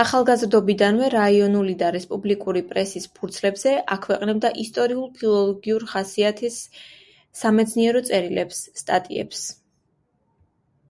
ახალგაზრდობიდანვე რაიონული და რესპუბლიკური პრესის ფურცლებზე აქვეყნებდა ისტორიულ-ფილოლოგიურ ხასიათის სამეცნიერო წერილებს, სტატიებს.